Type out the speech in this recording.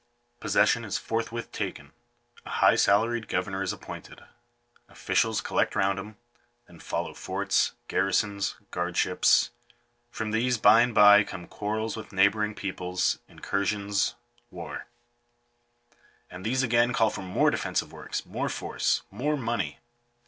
Possession is forthwith taken; a high salaried go vernor is appointed; officials collect round him; then follow forts, garrisons, guardships ; from these by and bye come quar rels with neighbouring peoples, incursions, war; and these again call for more defensive works, more force, more money.